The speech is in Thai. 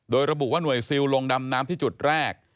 โดยระบุว่าหน่วยซิลลงดำน้ำที่จุดแรก